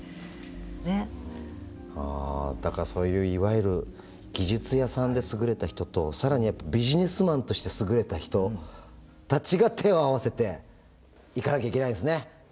だからそういういわゆる技術屋さんで優れた人と更にビジネスマンとして優れた人たちが手を合わせていかなきゃいけないんですね。